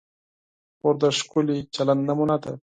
خور د ښکلي چلند نمونه ده.